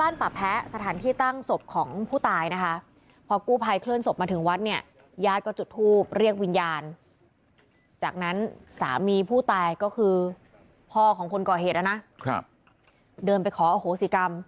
และก็คือพ่อของคุณก่อเหตุด้านนั้นเริ่มไปขอโอโหสีกรรม